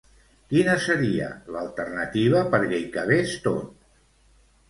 Quina seria l'alternativa perquè hi cabés tot?